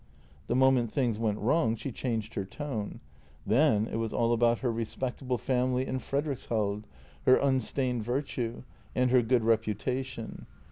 The moment things went wrong she changed her tone. Then it was all about her respectable family in Frederikshald, her unstained virtue, and her good reputation.